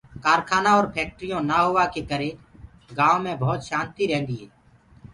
ڪآرکآنآ اور ڦيڪٽريونٚ نآ هوآ ڪي ڪري گآئونٚ مي ڀوت شآنتيٚ رهندي هي۔